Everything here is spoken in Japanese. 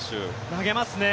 投げますね。